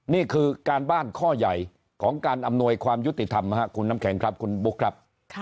นี่คือการบ้านข้อใหญ่ของการอำนวยความยุติธรรมคุณน้ำแข็งครับคุณบุ๊คครับ